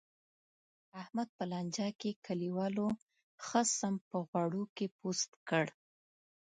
احمد په لانجه کې، کلیوالو ښه سم په غوړو کې پوست کړ.